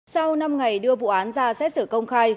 sau năm ngày đưa vụ án ra xét xử công khai